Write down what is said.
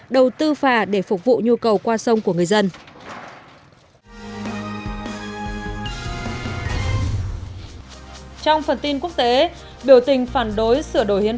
đầu tư phà để phục vụ nhu cầu qua sông của người dân